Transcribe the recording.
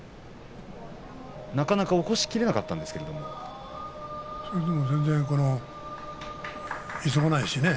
なかなか起こしきれなかったんそれでも全然急がないしね。